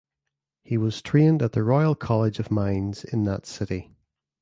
He was trained at the Royal College of Mines in that city.